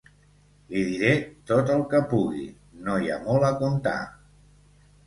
Li diré tot el que pugui; no hi ha molt a contar.